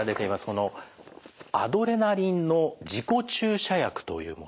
このアドレナリンの自己注射薬というもの。